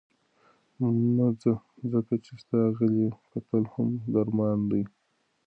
مه ځه، ځکه چې ستا غلي کتل هم درمان دی.